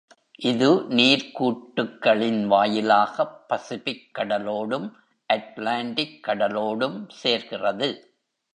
இது நீர்க் கூட்டுக்களின் வாயிலாகப் பசிபிக்கடலோடும் அட்லாண்டிக் கடலோடும் சேர்கிறது.